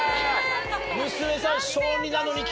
娘さん。